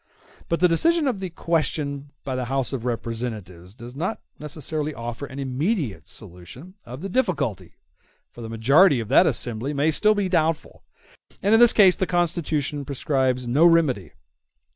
But the decision of the question by the House of Representatives does not necessarily offer an immediate solution of the difficulty, for the majority of that assembly may still be doubtful, and in this case the Constitution prescribes no remedy.